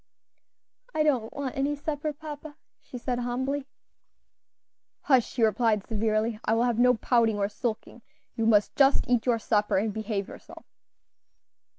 "I don't want any supper, papa," she said, humbly. "Hush," he replied, severely; "I will have no pouting or sulking; you must just eat your supper and behave yourself.